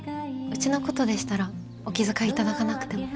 うちのことでしたらお気遣い頂かなくても。